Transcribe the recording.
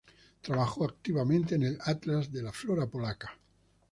Trabajó activamente en el Atlas de la Flora polaca.